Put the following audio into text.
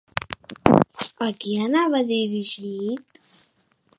A qui anava dirigit?